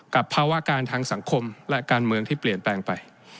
ภาวะการทางสังคมและการเมืองที่เปลี่ยนแปลงไป